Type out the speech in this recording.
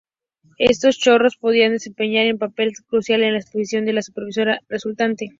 Estos chorros podrían desempeñar un papel crucial en la explosión de la supernova resultante.